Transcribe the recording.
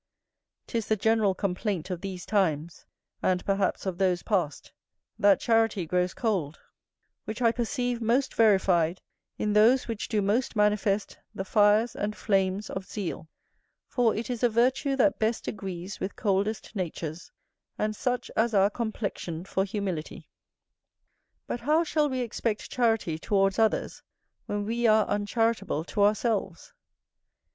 'Tis the general complaint of these times, and perhaps of those past, that charity grows cold; which I perceive most verified in those which do most manifest the fires and flames of zeal; for it is a virtue that best agrees with coldest natures, and such as are complexioned for humility. But how shall we expect charity towards others, when we are uncharitable to ourselves?